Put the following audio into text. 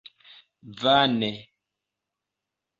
Vane.